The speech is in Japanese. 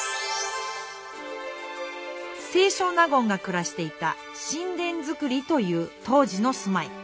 清少納言が暮らしていた寝殿造りという当時のすまい。